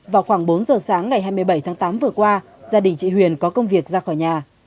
vào khoảng bốn giờ sáng ngày hai mươi bảy tháng tám vừa qua gia đình chị huyền có công việc ra khỏi nhà